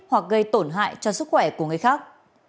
hoặc gây tổn hại cho sức khỏe của người khác